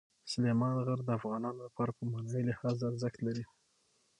سلیمان غر د افغانانو لپاره په معنوي لحاظ ارزښت لري.